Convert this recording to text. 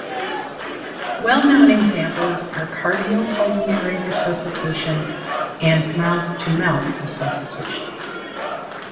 Well known examples are cardiopulmonary resuscitation and mouth-to-mouth resuscitation.